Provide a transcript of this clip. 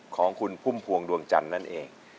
ของคุณพุ่มพวงดวงจันทร์นั่นเอง